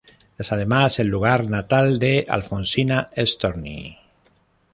Es además el lugar natal de Alfonsina Storni.